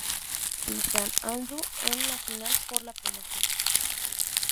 E. Sant Andreu en la final por la promoción.